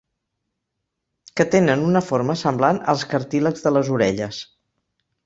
Que tenen una forma semblant als cartílags de les orelles.